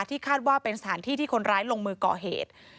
คาดว่าเป็นสถานที่ที่คนร้ายลงมือก่อเหตุ